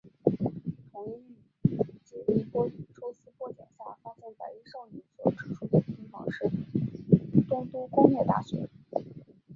桐人与结依抽丝剥茧下发现白衣少女所指出的地方是东都工业大学。